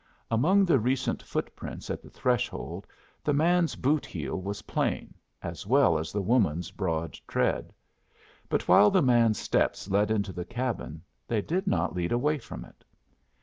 Among the recent footprints at the threshold the man's boot heel was plain, as well as the woman's broad tread. But while the man's steps led into the cabin, they did not lead away from it.